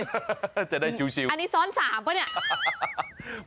ก็จะได้ชิวอันนี้ซ้อนสามเปล่านี้